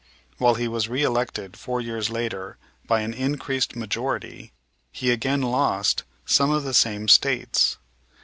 While he was reëlected four years later by an increased majority, he again lost some of the same States.